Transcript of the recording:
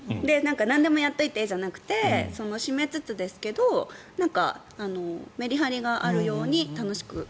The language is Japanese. なんでもやっておいてじゃなくて締めつつですけどメリハリがあるように楽しく。